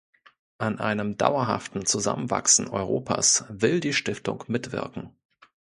An einem dauerhaften Zusammenwachsen Europas will die Stiftung mitwirken.